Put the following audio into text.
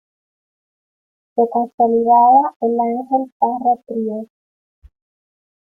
Se consolidaba el Ángel Parra Trío.